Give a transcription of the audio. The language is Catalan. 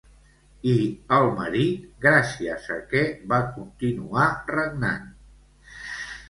I el marit, gràcies a què va continuar regnant?